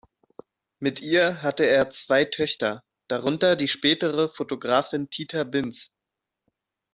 Mit ihr hatte er zwei Töchter, darunter die spätere Fotografin Tita Binz.